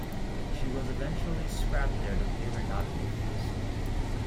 She was eventually scrapped there to pay her docking fees.